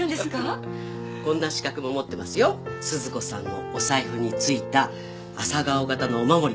こんな資格も持ってますよ鈴子さんのお財布についた朝顔形のお守り